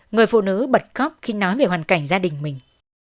người phụ nữ bật khóc khi nói về hoàn cảnh gia đình mình